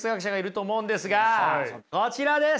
こちらです。